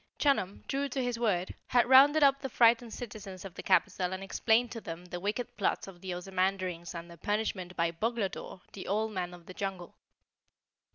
Chunum, true to his word, had rounded up the frightened citizens of the capital and explained to them the wicked plots of the Ozamandarins and their punishment by Boglodore, the Old Man of the Jungle.